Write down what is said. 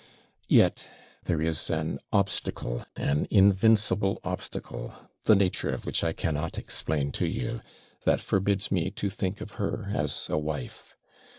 Yet, there is an obstacle, an invincible obstacle, the nature of which I cannot explain to you, that forbids me to think of her as a wife.